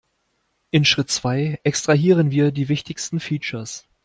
In Schritt zwei extrahieren wir die wichtigsten Features.